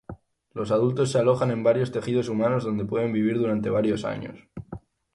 Los adultos se alojan en varios tejidos humanos donde pueden vivir durante varios años.